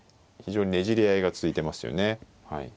非常にねじり合いが続いてますよね。